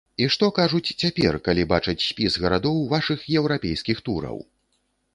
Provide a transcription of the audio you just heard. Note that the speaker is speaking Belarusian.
І што кажуць цяпер, калі бачаць спіс гарадоў вашых еўрапейскіх тураў?